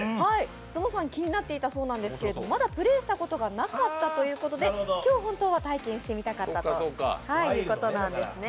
ぞのさん、気になっていたんだそうですけど、まだプレーしたことがなかったということで今日、本当は体験してみたかったということなんですね。